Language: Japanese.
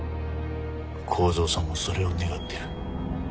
幸三さんもそれを願ってる。